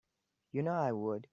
You know I would.